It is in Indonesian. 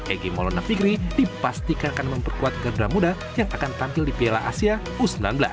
egy maulona fikri dipastikan akan memperkuat garuda muda yang akan tampil di piala asia u sembilan belas